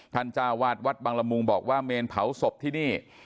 จ้าวาดวัดบังละมุงบอกว่าเมนเผาศพที่นี่